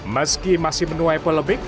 meski masih menuai polebik